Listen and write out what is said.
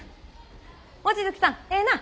望月さんええな？